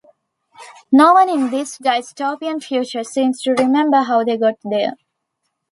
No one in this dystopian future seems to remember how they got there.